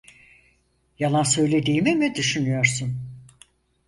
Yalan söylediğimi mi düşünüyorsun?